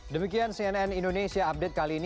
demikian cnn indonesia update kali ini